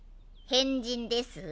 変人です？